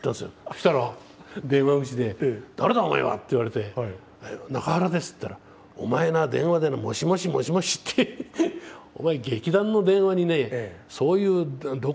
そしたら電話口で「誰だお前は」って言われて「中原です」って言ったらお前な電話での「もしもしもしもし」ってお前って言われて。